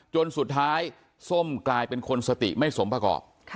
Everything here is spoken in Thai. จนสุดท้ายส้มกลายเป็นคนสติไม่สมประกอบ